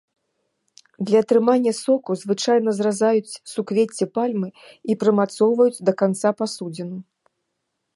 Для атрымання соку звычайна зразаюць суквецце пальмы і прымацоўваюць да канца пасудзіну.